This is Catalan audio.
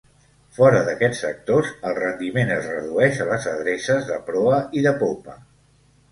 Fora d'aquests sectors, el rendiment es redueix a les adreces de proa i de popa.